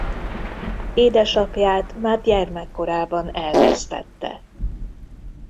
Édesapját már gyermekkorában elvesztette.